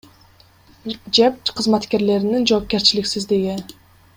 ЖЭБ кызматкерлеринин жоопкерчиликсиздиги.